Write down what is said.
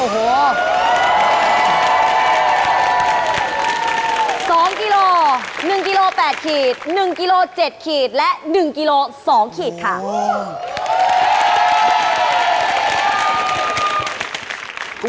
หมายเลข